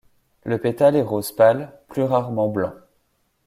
Le pétale est rose pâle, plus rarement blanc.